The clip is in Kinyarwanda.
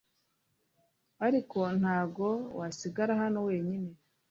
ariko ntago wasigara hano wenyine